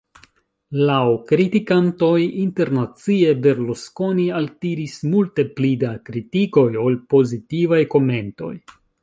Laŭ kritikantoj, internacie, Berlusconi altiris multe pli da kritikoj ol pozitivaj komentoj.